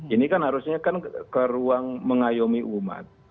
ini kan harusnya kan ke ruang mengayomi umat